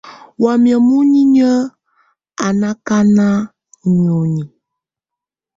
Wamɛ̀á muninyǝ́ á nà akanà ù nioni.